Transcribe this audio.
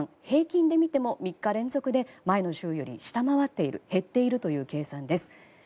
平均で見ても３日連続で前の週より下回っている減っているという計算です。